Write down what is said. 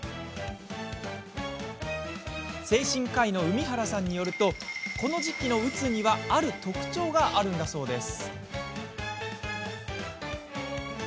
精神科医の海原さんによるとこの時期のうつにはある特徴があるんだそうです。